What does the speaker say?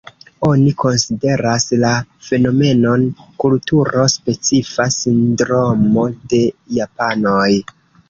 Oni konsideras la fenomenon, kulturo-specifa sindromo de Japanoj.